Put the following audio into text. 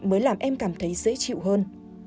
mới làm em cảm thấy dễ chịu hơn